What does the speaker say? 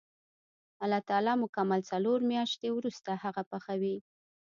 الله تعالی مکمل څلور میاشتې وروسته هغه پخوي.